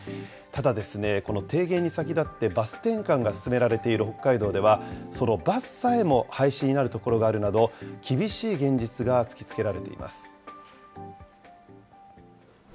ただ、この提言に先立って、バス転換が進められている北海道では、そのバスさえも廃止になる所があるなど、厳しい現実が突きつけられています。